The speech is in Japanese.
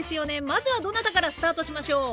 まずはどなたからスタートしましょう？